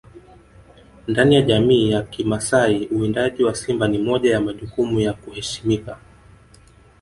Ndani ya jamii ya kimasai uwindaji wa simba ni moja ya majukumu ya kuheshimika